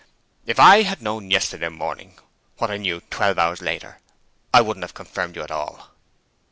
'If I had known yesterday morning what I knew twelve hours later, I wouldn't have confirmed you at all.'